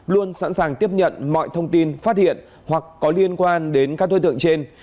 luôn sẵn sàng tiếp nhận mọi thông tin phát hiện hoặc có liên quan đến các đối tượng trên